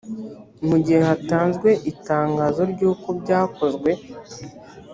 mu gihe hatanzwe itangazo ry uko byakozwe